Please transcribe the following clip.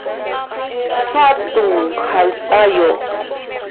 Hatun hallp'ayuq